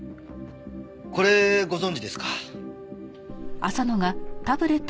これご存じですか？